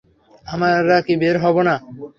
আমারা কি বের হবো না?